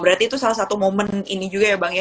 berarti itu salah satu momen ini juga ya bang ya